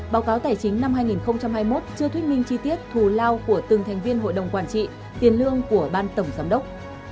báo cáo tài chính năm hai nghìn hai mươi một chưa thuyết minh chi tiết thù lao của từng thành viên hội đồng quản trị tiền lương của ban tổng giám đốc